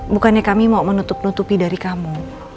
bukannya kami mau menutup nutupi dari kamu